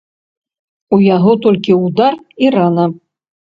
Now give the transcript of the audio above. У яго толькі ўдар і рана.